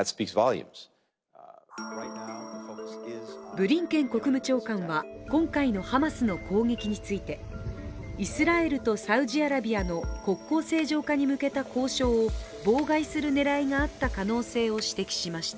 ブリンケン国務長官は、今回のハマスの攻撃についてイスラエルとサウジアラビアの国交正常化に向けた交渉を妨害する狙いがあった可能性を指摘しました。